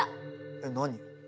えっ何？